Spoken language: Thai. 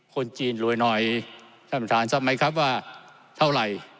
คนจีนรวยหน่อยท่านประธานทราบไหมครับว่าเท่าไหร่